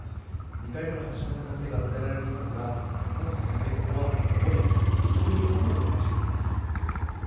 ２回目の発射の可能性が伝えられていますが本日の天候は曇り、時折雨も混じっています。